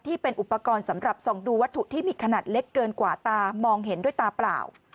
ที่เป็นอุปกรณ์สำหรับส่องดูวัตถุที่มีขนาดเล็กเกินกว่าตามองเห็นด้วยตาเปล่า